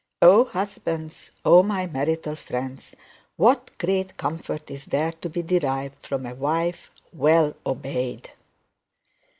Oh, husbands, oh, my marital friends, what great comfort is there to be derived from a wife well obeyed!